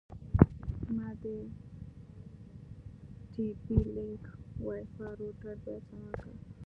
ما د ټي پي لینک وای فای روټر بیا چالان کړ.